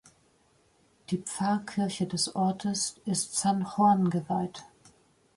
Die Pfarrkirche des Ortes ist Sant Joan geweiht.